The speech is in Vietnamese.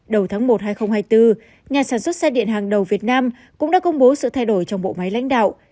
đầu tháng một hai nghìn hai mươi bốn nhà sản xuất xe điện hàng đầu việt nam cũng đã công bố sự thay đổi trong bộ máy lãnh đạo